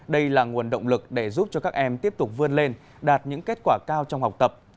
đây là nguồn động lực để giúp cho các em tiếp tục vươn lên đạt những kết quả cao trong học tập